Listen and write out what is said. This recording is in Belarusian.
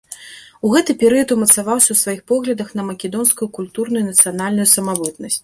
У гэты перыяд умацаваўся ў сваіх поглядах на македонскую культурную і нацыянальную самабытнасць.